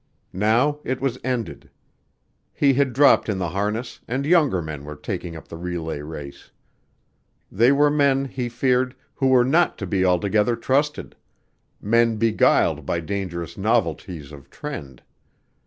Now it was ended. He had dropped in the harness and younger men were taking up the relay race. They were men, he feared, who were not to be altogether trusted; men beguiled by dangerous novelties of trend.